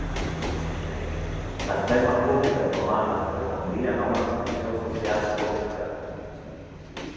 Las termas públicas romanas respondían a una función social y política.